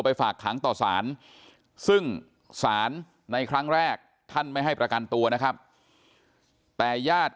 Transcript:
ฝากขังต่อสารซึ่งศาลในครั้งแรกท่านไม่ให้ประกันตัวนะครับแต่ญาติ